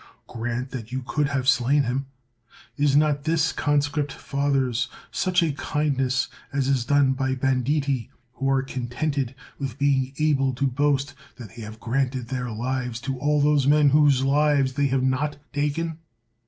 Grant that you could have slain him, is not this, conscript fathers, such a kind ness as is done by banditti, who are contented with being able to boast that they have granted their lives to all those men whose lives they have not taken